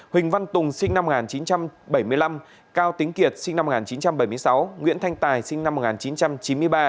huỳnh văn tùng sinh năm một nghìn chín trăm bảy mươi năm cao tính kiệt sinh năm một nghìn chín trăm bảy mươi sáu nguyễn thanh tài sinh năm một nghìn chín trăm chín mươi ba